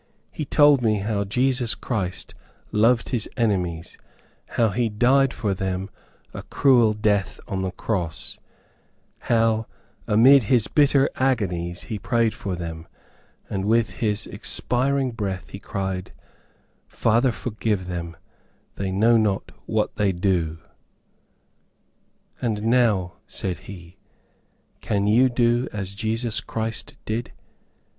He told me how Jesus Christ loved his enemies; how he died for them a cruel death on the cross; how, amid his bitter agonies, he prayed for them, and with his expiring breath he cried, "Father, forgive them, they know not what they do." "And now," said he, "can you do as Jesus Christ did?